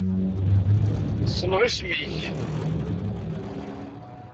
Ssneɣ isem-ik.